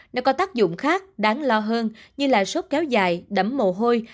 nó có tác dụng khác đáng lo hơn như là sốt kéo dài đấm mồ hôi